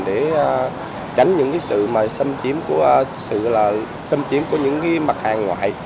để tránh những cái sự mà xâm chiếm của sự là xâm chiếm của những cái mặt hàng ngoại